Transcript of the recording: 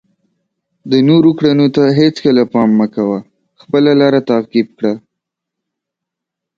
د نورو کړنو ته هیڅکله پام مه کوه، خپله لاره تعقیب کړه.